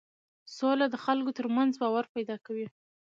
سوله د خلکو ترمنځ باور پیدا کوي